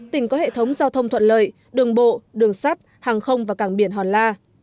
tỉnh có hệ thống giao thông thuận lợi đường bộ đường sắt hàng không và cảng biển hòn la